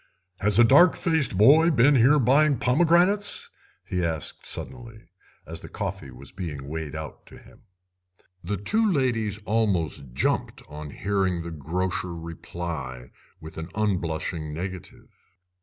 "Has a dark faced boy been here buying pomegranates?" he asked suddenly, as the coffee was being weighed out to him. The two ladies almost jumped on hearing the grocer reply with an unblushing negative.